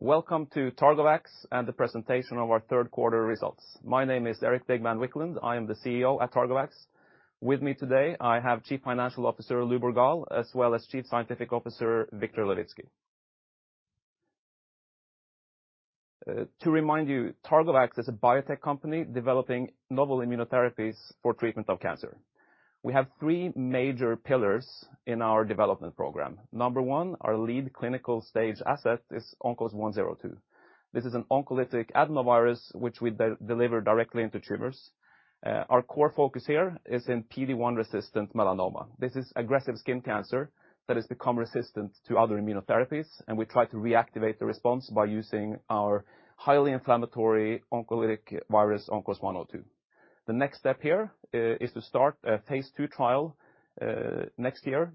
Welcome to Targovax and the presentation of our Q3 results. My name is Erik Digman Wiklund. I am the CEO at Targovax. With me today, I have Chief Financial Officer Lubor Gaal, as well as Chief Scientific Officer Victor Levitsky. To remind you, Targovax is a biotech company developing novel immunotherapies for treatment of cancer. We have three major pillars in our development program. Number one, our lead clinical stage asset is ONCOS-102. This is an oncolytic adenovirus which we deliver directly into tumors. Our core focus here is in PD-1 resistant melanoma. This is aggressive skin cancer that has become resistant to other immunotherapies, and we try to reactivate the response by using our highly inflammatory oncolytic virus, ONCOS-102. The next step here is to start a phase II trial next year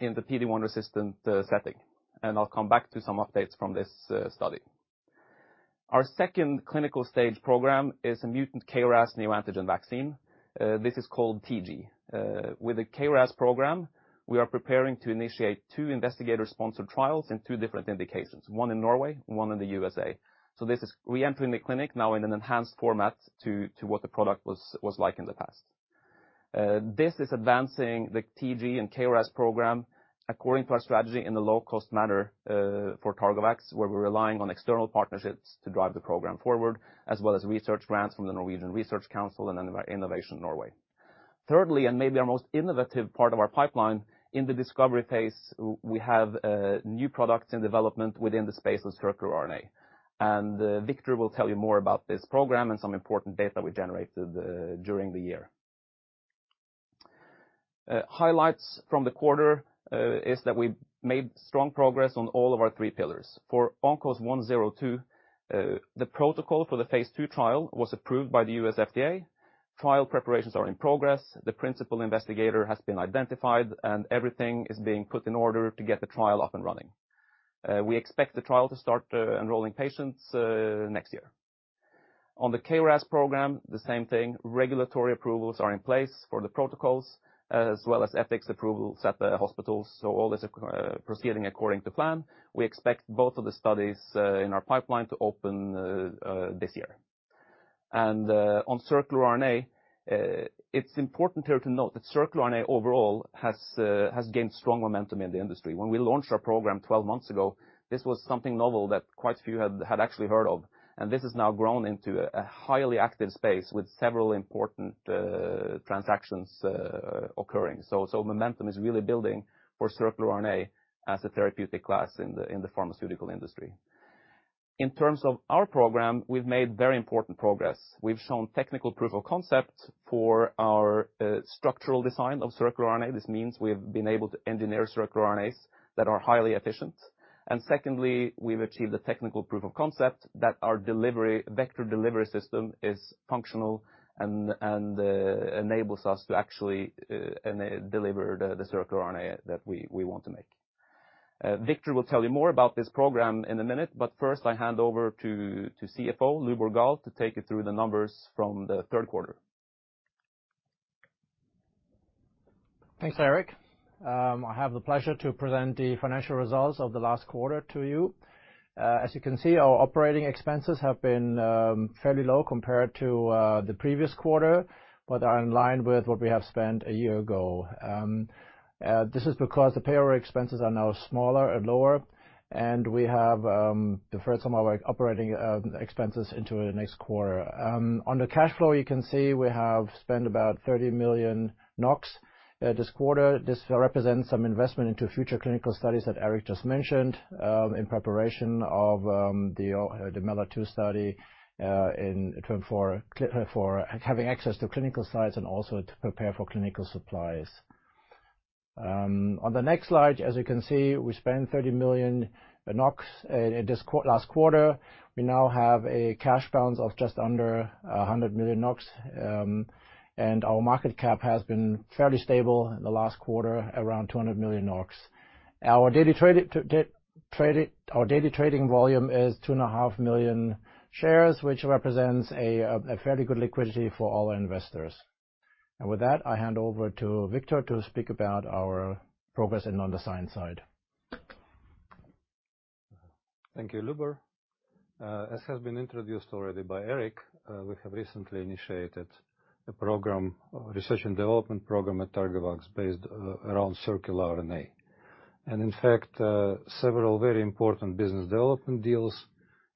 in the PD-1 resistant setting, and I'll come back to some updates from this study. Our second clinical stage program is a mutant KRAS neoantigen vaccine, this is called TG. With the KRAS program, we are preparing to initiate two investigator-sponsored trials in two different indications, one in Norway, one in the USA. This is re-entering the clinic now in an enhanced format to what the product was like in the past. This is advancing the TG and KRAS program according to our strategy in the low-cost manner for Targovax, where we're relying on external partnerships to drive the program forward, as well as research grants from the Research Council of Norway and Innovation Norway. Thirdly, and maybe our most innovative part of our pipeline, in the discovery phase, we have new products in development within the space of circular RNA. Victor will tell you more about this program and some important data we generated during the year. Highlights from the quarter is that we made strong progress on all of our three pillars. For ONCOS-102, the protocol for the phase II trial was approved by the U.S. FDA. Trial preparations are in progress. The principal investigator has been identified, and everything is being put in order to get the trial up and running. We expect the trial to start enrolling patients next year. On the KRAS program, the same thing, regulatory approvals are in place for the protocols, as well as ethics approvals at the hospitals. All this is proceeding according to plan. We expect both of the studies in our pipeline to open this year. On circular RNA, it's important here to note that circular RNA overall has gained strong momentum in the industry. When we launched our program 12 months ago, this was something novel that quite a few had actually heard of, and this has now grown into a highly active space with several important transactions occurring. Momentum is really building for circular RNA as a therapeutic class in the pharmaceutical industry. In terms of our program, we've made very important progress. We've shown technical proof of concept for our structural design of circular RNA. This means we've been able to engineer circular RNAs that are highly efficient. Secondly, we've achieved the technical proof of concept that our delivery vector delivery system is functional and enables us to actually deliver the circular RNA that we want to make. Victor will tell you more about this program in a minute, but first I hand over to CFO Lubor Gaal to take you through the numbers from the Q3. Thanks, Erik. I have the pleasure to present the financial results of the last quarter to you. As you can see, our operating expenses have been fairly low compared to the previous quarter, but are in line with what we have spent a year ago. This is because the payroll expenses are now smaller and lower, and we have deferred some of our operating expenses into the next quarter. On the cash flow, you can see we have spent about 30 million NOK this quarter. This represents some investment into future clinical studies that Erik just mentioned, in preparation of the MELI-2 study in terms of having access to clinical sites and also to prepare for clinical supplies. On the next slide, as you can see, we spent 30 million NOK in this last quarter. We now have a cash balance of just under 100 million NOK, and our market cap has been fairly stable in the last quarter, around 200 million. Our daily trading volume is 2.5 million shares, which represents a fairly good liquidity for all our investors. With that, I hand over to Victor to speak about our progress and on the science side. Thank you, Lubor. As has been introduced already by Erik, we have recently initiated a program, research and development program at Circio based around circular RNA. In fact, several very important business development deals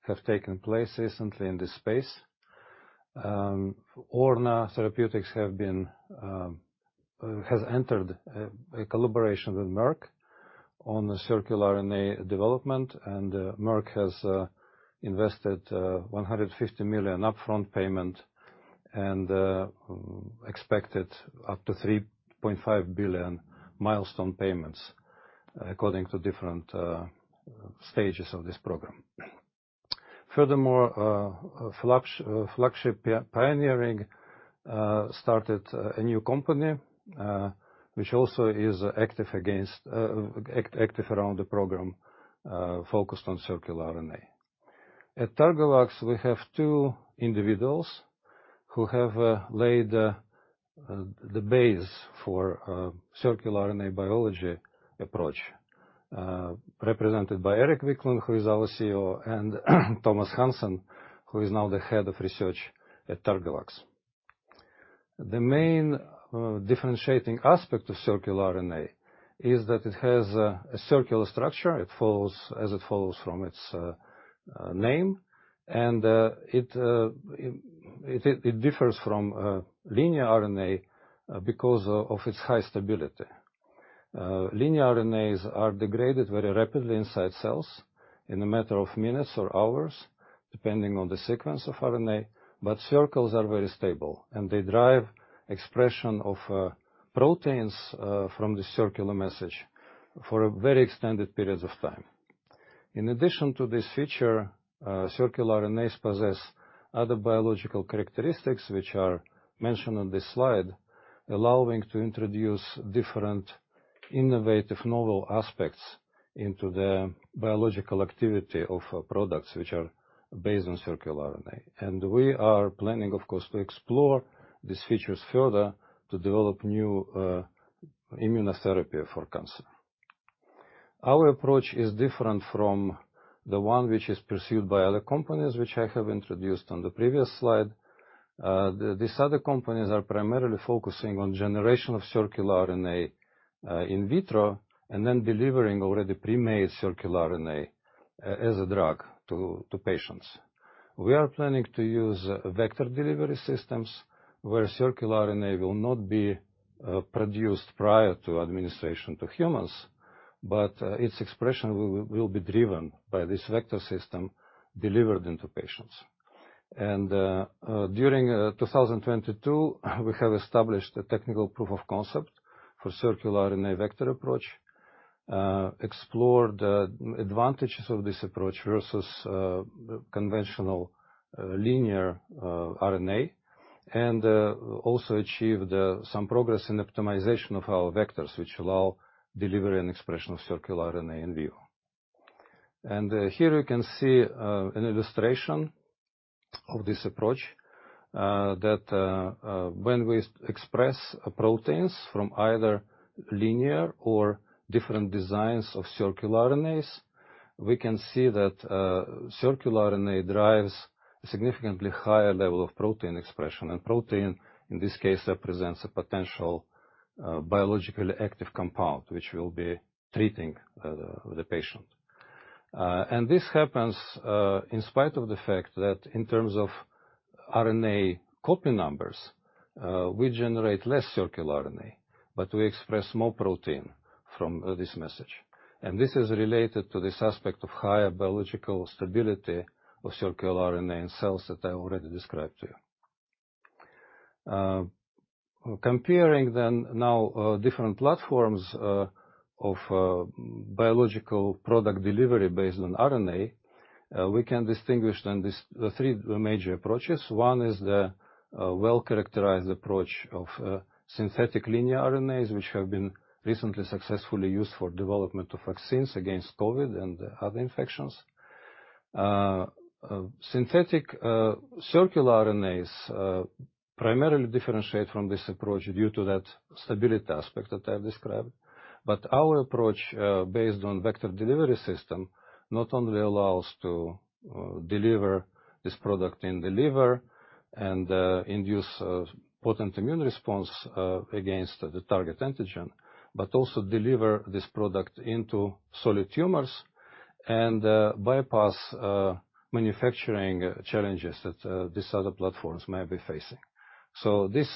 have taken place recently in this space. Orna Therapeutics has entered a collaboration with Merck on the circular RNA development, and Merck has invested $150 million upfront payment and expected up to $3.5 billion milestone payments according to different stages of this program. Furthermore, Flagship Pioneering started a new company, which also is active around the program focused on circular RNA. At Circio, we have two individuals who have laid the base for circular RNA biology approach, represented by Erik Digman Wiklund, who is our CEO, and Thomas Hansen, who is now the Head of Research at Circio. The main differentiating aspect of circular RNA is that it has a circular structure. It follows from its name, and it differs from linear RNA because of its high stability. Linear RNAs are degraded very rapidly inside cells in a matter of minutes or hours, depending on the sequence of RNA, but circles are very stable, and they drive expression of proteins from the circular message for very extended periods of time. In addition to this feature, circular RNAs possess other biological characteristics which are mentioned on this slide, allowing to introduce different innovative novel aspects into the biological activity of products which are based on circular RNA. We are planning, of course, to explore these features further to develop new immunotherapy for cancer. Our approach is different from the one which is pursued by other companies which I have introduced on the previous slide. These other companies are primarily focusing on generation of circular RNA in vitro and then delivering already pre-made circular RNA as a drug to patients. We are planning to use vector delivery systems where circular RNA will not be produced prior to administration to humans, but its expression will be driven by this vector system delivered into patients. During 2022, we have established a technical proof of concept for circular RNA vector approach, explored advantages of this approach versus conventional linear RNA, and also achieved some progress in optimization of our vectors, which allow delivery and expression of circular RNA in vivo. Here we can see an illustration of this approach that when we express proteins from either linear or different designs of circular RNAs, we can see that circular RNA drives significantly higher level of protein expression, and protein in this case represents a potential biologically active compound which will be treating the patient. This happens in spite of the fact that in terms of RNA copy numbers, we generate less circular RNA, but we express more protein from this message. This is related to this aspect of higher biological stability of circular RNA in cells that I already described to you. Comparing now different platforms of biological product delivery based on RNA, we can distinguish this three major approaches. One is the well-characterized approach of synthetic linear RNAs, which have been recently successfully used for development of vaccines against COVID and other infections. Synthetic circular RNAs primarily differentiate from this approach due to that stability aspect that I've described. Our approach, based on vector delivery system, not only allows to deliver this product in the liver and induce potent immune response against the target antigen, but also deliver this product into solid tumors and bypass manufacturing challenges that these other platforms may be facing. This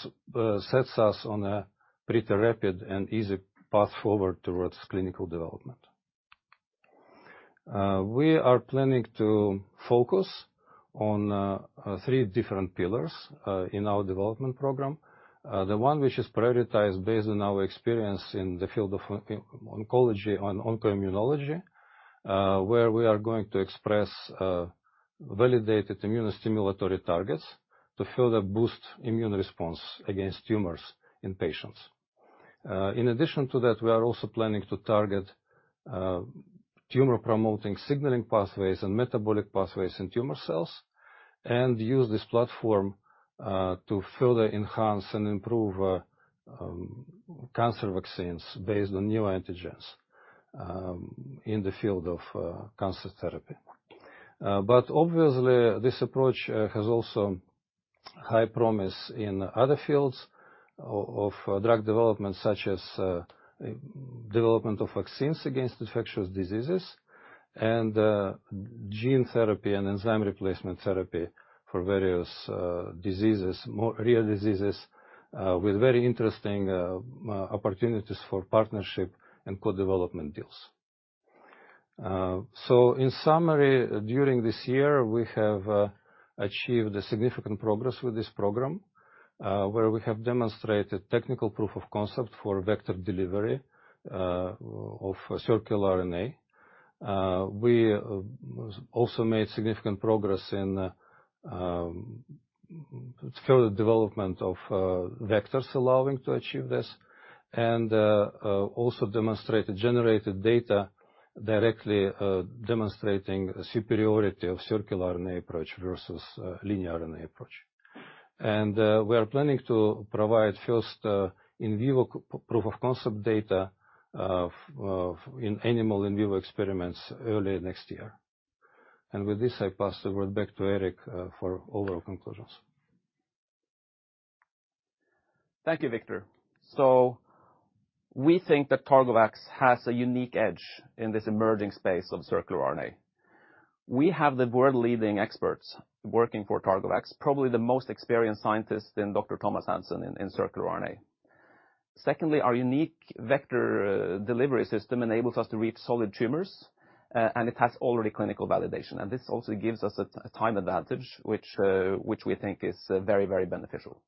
sets us on a pretty rapid and easy path forward towards clinical development. We are planning to focus on three different pillars in our development program. The one which is prioritized based on our experience in the field of oncology and oncoimmunology, where we are going to express validated immunostimulatory targets to further boost immune response against tumors in patients. In addition to that, we are also planning to target tumor-promoting signaling pathways and metabolic pathways in tumor cells and use this platform to further enhance and improve cancer vaccines based on new antigens in the field of cancer therapy. But obviously, this approach has also high promise in other fields of drug development, such as development of vaccines against infectious diseases and gene therapy and enzyme replacement therapy for various diseases, more rare diseases, with very interesting opportunities for partnership and co-development deals. In summary, during this year, we have achieved a significant progress with this program, where we have demonstrated technical proof of concept for vector delivery of circular RNA. We also made significant progress in It's further development of vectors allowing to achieve this. Also demonstrate the generated data directly, demonstrating a superiority of circular RNA approach versus linear RNA approach. We are planning to provide first in vivo proof of concept data of in vivo experiments in animals early next year. With this, I pass the word back to Erik for overall conclusions. Thank you, Victor. We think that Circio has a unique edge in this emerging space of circular RNA. We have the world leading experts working for Circio, probably the most experienced scientist in Dr. Thomas Hansen in circular RNA. Secondly, our unique vector delivery system enables us to reach solid tumors, and it has already clinical validation. This also gives us a time advantage, which we think is very, very beneficial.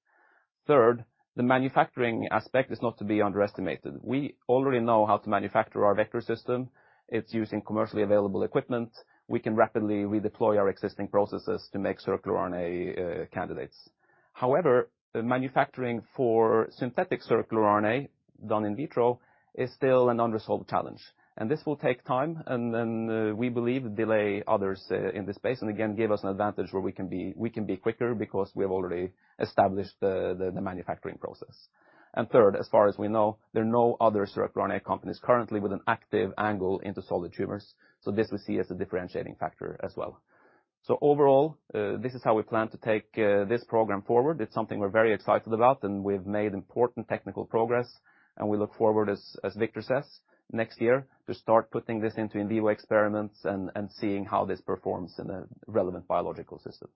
Third, the manufacturing aspect is not to be underestimated. We already know how to manufacture our vector system. It's using commercially available equipment. We can rapidly redeploy our existing processes to make circular RNA candidates. However, the manufacturing for synthetic circular RNA done in vitro is still an unresolved challenge, and this will take time. We believe we'll lead others in this space, and again, give us an advantage where we can be quicker because we have already established the manufacturing process. Third, as far as we know, there are no other circular RNA companies currently with an active angle into solid tumors. This we see as a differentiating factor as well. Overall, this is how we plan to take this program forward. It's something we're very excited about, and we've made important technical progress, and we look forward, as Victor says, next year to start putting this into in vivo experiments and seeing how this performs in a relevant biological system.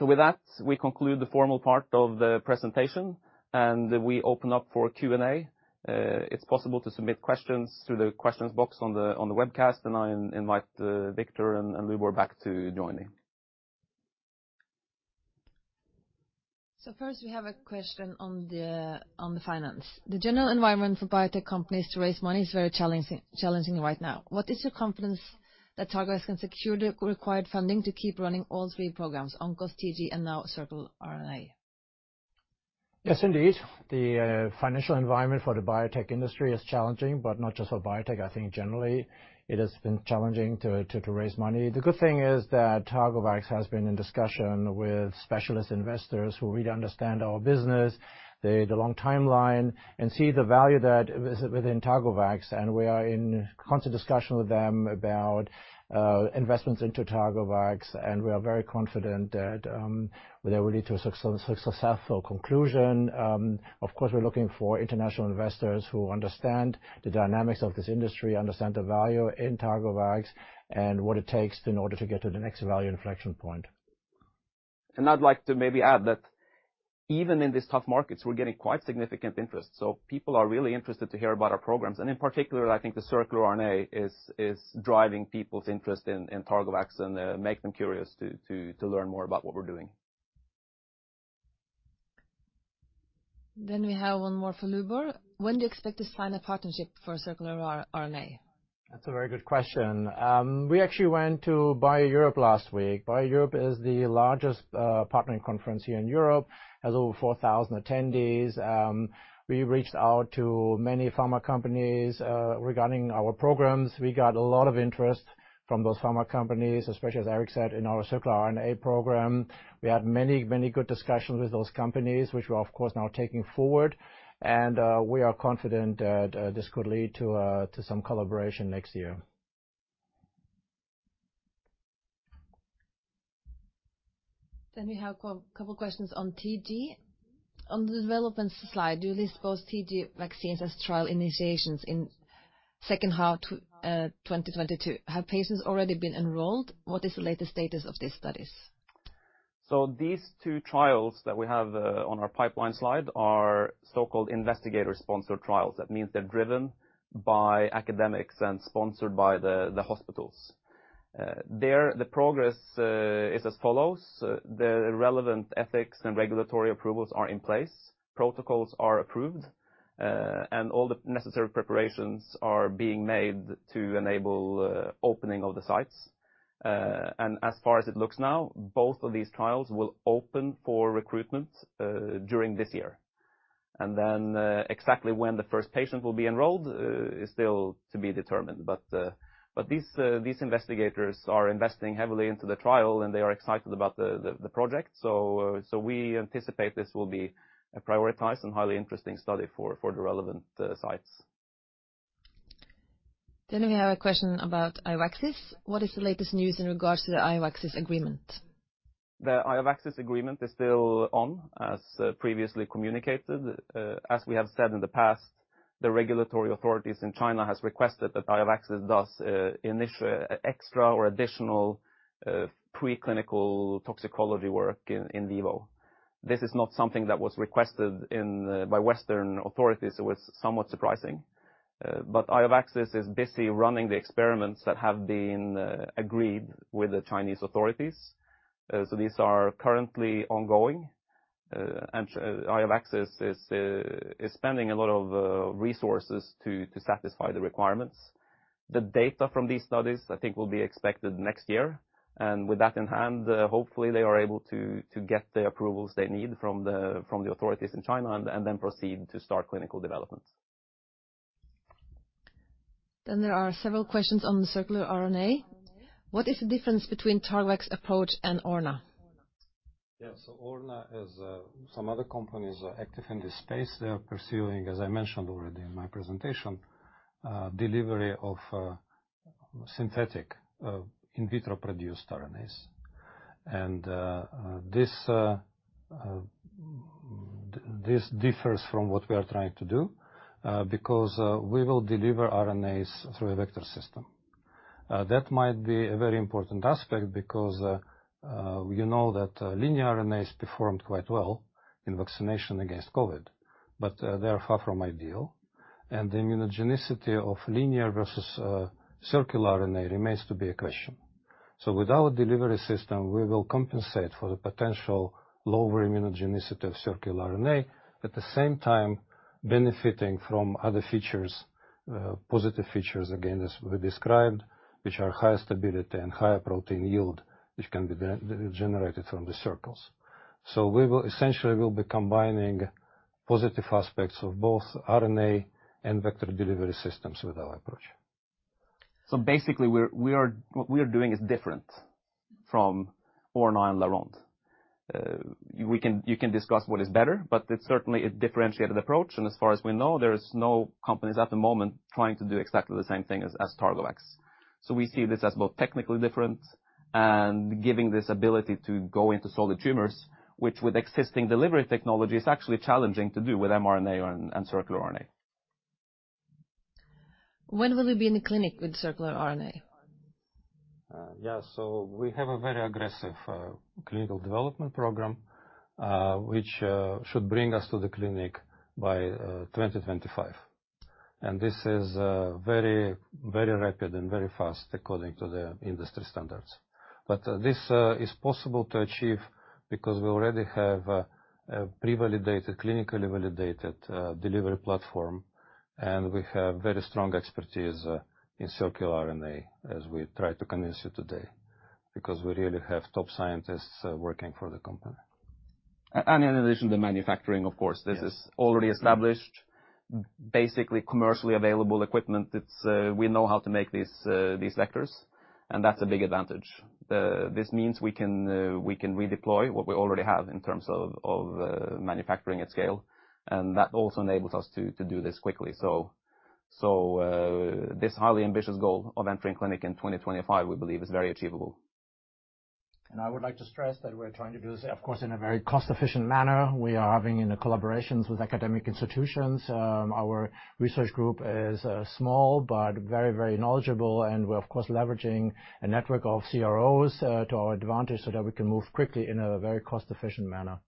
With that, we conclude the formal part of the presentation, and we open up for Q&A. It's possible to submit questions through the questions box on the webcast. I invite Victor and Lubor back to join in. First, we have a question on the finance. The general environment for biotech companies to raise money is very challenging right now. What is your confidence that Targovax can secure the required funding to keep running all three programs, ONCOS-102, TG01, and now circular RNA? Yes, indeed. The financial environment for the biotech industry is challenging, but not just for biotech. I think generally it has been challenging to raise money. The good thing is that Targovax has been in discussion with specialist investors who really understand our business. They see the long timeline and see the value that is within Targovax, and we are in constant discussion with them about investments into Targovax. We are very confident that they will lead to a successful conclusion. Of course, we're looking for international investors who understand the dynamics of this industry, understand the value in Targovax, and what it takes in order to get to the next value inflection point. I'd like to maybe add that even in these tough markets, we're getting quite significant interest. People are really interested to hear about our programs. In particular, I think the circular RNA is driving people's interest in Targovax and make them curious to learn more about what we're doing. We have one more for Lubor. When do you expect to sign a partnership for circular RNA? That's a very good question. We actually went to BIO-Europe last week. BIO-Europe is the largest partnering conference here in Europe. Has over 4,000 attendees. We reached out to many pharma companies regarding our programs. We got a lot of interest from those pharma companies, especially as Erik said in our circular RNA program. We had many good discussions with those companies, which we are of course now taking forward, and we are confident that this could lead to some collaboration next year. We have couple questions on TG01. On the development slide, you list both TG01 vaccines as trial initiations in H2 2022. Have patients already been enrolled? What is the latest status of these studies? These two trials that we have on our pipeline slide are so-called investigator-sponsored trials. That means they're driven by academics and sponsored by the hospitals. The progress is as follows. The relevant ethics and regulatory approvals are in place. Protocols are approved. All the necessary preparations are being made to enable opening of the sites. As far as it looks now, both of these trials will open for recruitment during this year. Exactly when the first patient will be enrolled is still to be determined. These investigators are investing heavily into the trial, and they are excited about the project. We anticipate this will be a prioritized and highly interesting study for the relevant sites. We have a question about IOVaxis. What is the latest news in regards to the IOVaxis agreement? The IOVaxis agreement is still on, as previously communicated. As we have said in the past, the regulatory authorities in China has requested that IOVaxis does extra or additional preclinical toxicology work in vivo. This is not something that was requested by Western authorities. It was somewhat surprising. IOVaxis is busy running the experiments that have been agreed with the Chinese authorities. These are currently ongoing. IOVaxis is spending a lot of resources to satisfy the requirements. The data from these studies, I think, will be expected next year. With that in hand, hopefully they are able to get the approvals they need from the authorities in China and then proceed to start clinical development. There are several questions on the circular RNA. What is the difference between Targovax approach and Orna? Yeah. Orna is, some other companies are active in this space. They are pursuing, as I mentioned already in my presentation, delivery of synthetic in vitro-produced RNAs. This differs from what we are trying to do, because we will deliver RNAs through a vector system. That might be a very important aspect because we know that linear RNAs performed quite well in vaccination against COVID, but they are far from ideal. The immunogenicity of linear versus circular RNA remains to be a question. With our delivery system, we will compensate for the potential lower immunogenicity of circular RNA at the same time benefiting from other features, positive features, again, as we described, which are higher stability and higher protein yield, which can be generated from the circles. We essentially will be combining positive aspects of both RNA and vector delivery systems with our approach. Basically, what we are doing is different from Orna and Laronde. You can discuss what is better, but it's certainly a differentiated approach. As far as we know, there is no companies at the moment trying to do exactly the same thing as Targovax. We see this as both technically different and giving this ability to go into solid tumors, which with existing delivery technology is actually challenging to do with mRNA or circular RNA. When will you be in the clinic with circular RNA? We have a very aggressive clinical development program, which should bring us to the clinic by 2025. This is very, very rapid and very fast according to the industry standards. This is possible to achieve because we already have a pre-validated, clinically validated delivery platform, and we have very strong expertise in circular RNA, as we tried to convince you today, because we really have top scientists working for the company. In addition to manufacturing, of course. Yes. This is already established, basically commercially available equipment. It's we know how to make these vectors, and that's a big advantage. This means we can redeploy what we already have in terms of manufacturing at scale, and that also enables us to do this quickly. This highly ambitious goal of entering clinic in 2025, we believe is very achievable. I would like to stress that we're trying to do this, of course, in a very cost-efficient manner. We are having collaborations with academic institutions. Our research group is small but very, very knowledgeable, and we're of course leveraging a network of CROs to our advantage so that we can move quickly in a very cost-efficient manner.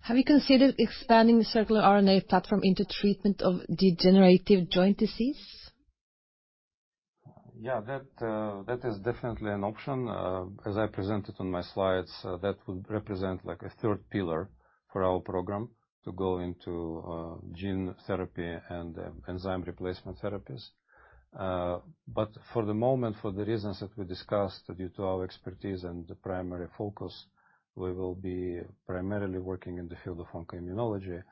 Have you considered expanding the circular RNA platform into treatment of degenerative joint disease? Yeah, that is definitely an option. As I presented on my slides, that would represent like a third pillar for our program to go into gene therapy and enzyme replacement therapies. For the moment, for the reasons that we discussed due to our expertise and the primary focus, we will be primarily working in the field of oncology.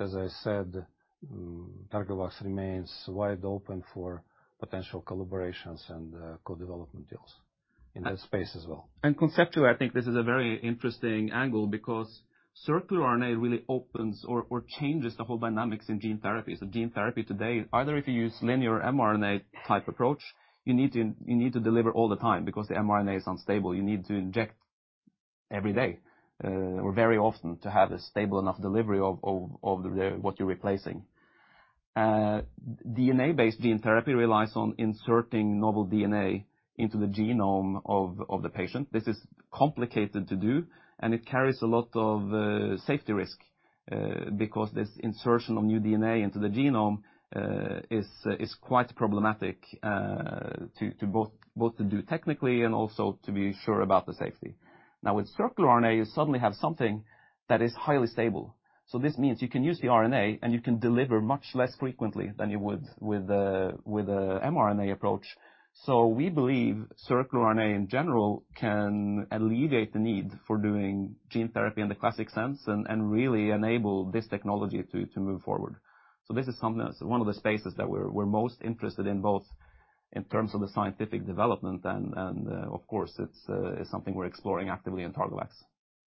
As I said, Targovax remains wide open for potential collaborations and co-development deals in that space as well. Conceptually, I think this is a very interesting angle because circular RNA really opens or changes the whole dynamics in gene therapy. Gene therapy today, either if you use linear mRNA type approach, you need to deliver all the time because the mRNA is unstable. You need to inject every day or very often to have a stable enough delivery of what you're replacing. DNA-based gene therapy relies on inserting novel DNA into the genome of the patient. This is complicated to do, and it carries a lot of safety risk because this insertion of new DNA into the genome is quite problematic to both to do technically and also to be sure about the safety. Now, with circular RNA, you suddenly have something that is highly stable. This means you can use the RNA and you can deliver much less frequently than you would with the mRNA approach. We believe circular RNA in general can alleviate the need for doing gene therapy in the classic sense and really enable this technology to move forward. This is one of the spaces that we're most interested in, both in terms of the scientific development and of course it's something we're exploring actively in Targovax.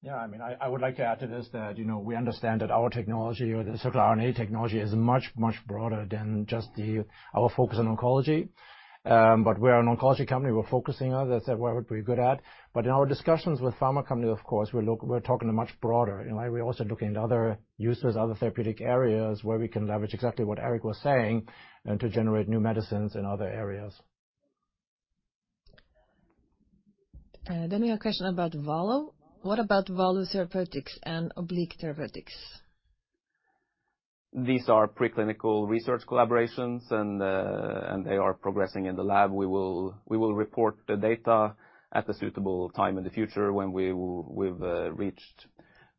Yeah. I mean, I would like to add to this that, you know, we understand that our technology or the circular RNA technology is much, much broader than just our focus on oncology. But we're an oncology company. We're focusing on that. That's what we're pretty good at. But in our discussions with pharma companies, of course, we're talking much broader. You know, we're also looking at other uses, other therapeutic areas where we can leverage exactly what Erik was saying and to generate new medicines in other areas. We have a question about Valo. What about Valo Therapeutics and Oblique Therapeutics? These are preclinical research collaborations and they are progressing in the lab. We will report the data at a suitable time in the future when we've reached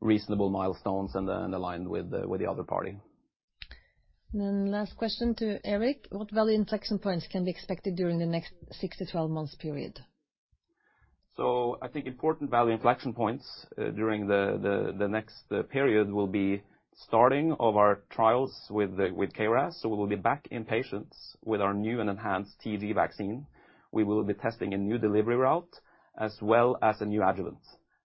reasonable milestones and aligned with the other party. Last question to Erik. What value inflection points can be expected during the next 6 to 12 months period? I think important value inflection points during the next period will be starting of our trials with KRAS. We will be back in patients with our new and enhanced TG vaccine. We will be testing a new delivery route as well as a new adjuvant.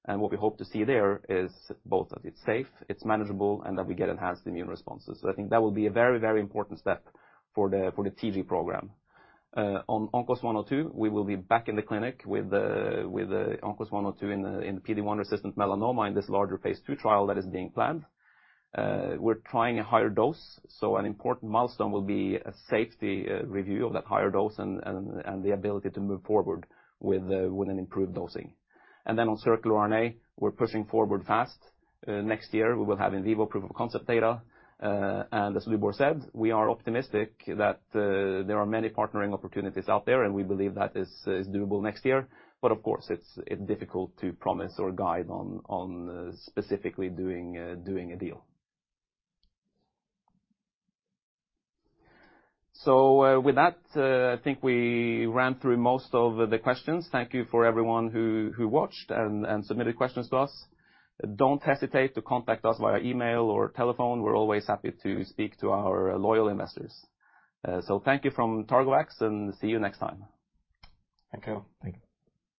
What we hope to see there is both that it's safe, it's manageable, and that we get enhanced immune responses. I think that will be a very important step for the TG program. On ONCOS-102, we will be back in the clinic with the ONCOS-102 in the PD-1-resistant melanoma in this larger phase II trial that is being planned. We're trying a higher dose, so an important milestone will be a safety review of that higher dose and the ability to move forward with an improved dosing. On circular RNA, we're pushing forward fast. Next year we will have in vivo proof of concept data. As Lubor said, we are optimistic that there are many partnering opportunities out there, and we believe that is doable next year. Of course, it's difficult to promise or guide on specifically doing a deal. With that, I think we ran through most of the questions. Thank you for everyone who watched and submitted questions to us. Don't hesitate to contact us via email or telephone. We're always happy to speak to our loyal investors. Thank you from Targovax and see you next time. Thank you. Thank you.